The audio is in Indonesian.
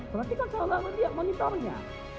berarti kan saudara lihat monitornya